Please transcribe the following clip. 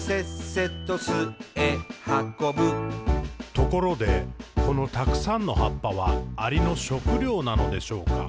「ところで、このたくさんの葉っぱは、アリの食料なのでしょうか？